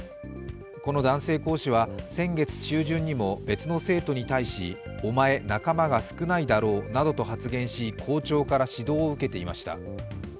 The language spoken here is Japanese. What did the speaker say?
この男性講師は、先月中旬にも別の生徒に対し、お前、仲間が少ないだろうなどと発言し校長から指導を受けていました。